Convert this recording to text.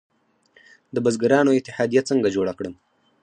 د بزګرانو اتحادیه څنګه جوړه کړم؟